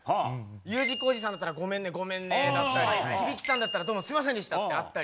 Ｕ字工事さんだったら「ごめんねごめんね」だったり響さんだったら「どうもすみませんでしたっ」ってあったり